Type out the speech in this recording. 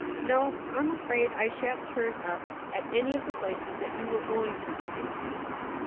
No, I'm afraid I shan't turn up at any of the places that you are going to this evening.'